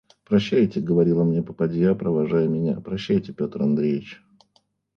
«Прощайте, – говорила мне попадья, провожая меня, – прощайте, Петр Андреич.